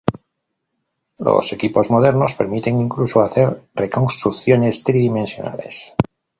Los equipos modernos permiten incluso hacer reconstrucciones tridimensionales.